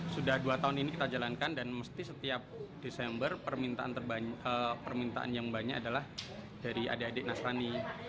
sudah dua tahun ini kita jalankan dan mesti setiap desember permintaan yang banyak adalah dari adik adik nasrani